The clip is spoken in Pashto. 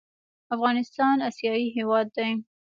افغانستان اسیایي هېواد دی.